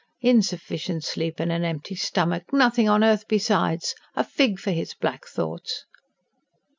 Insufficient sleep, and an empty stomach nothing on earth besides! A fig for his black thoughts!